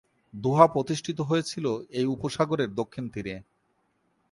দোহা প্রতিষ্ঠিত হয়েছিল এই উপসাগরের দক্ষিণ তীরে।